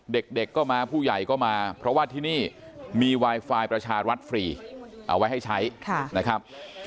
เด็กก็มาผู้ใหญ่ก็มาเพราะว่าที่นี่มีไวไฟประชารัฐฟรีเอาไว้ให้ใช้นะครับ